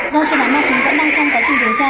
do chuyên án ma túy vẫn đang trong quá trình điều tra